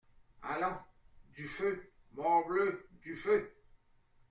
Allons, du feu ! morbleu ! du feu !